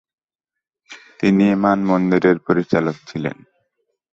তিনি এই মানমন্দিরের পরিচালক ছিলেন।